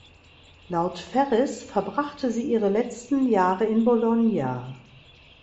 Laut Ferris verbrachte sie ihre letzten Jahre in Bologna.